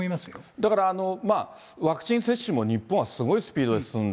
だから、ワクチン接種も日本はすごいスピードで進んだ。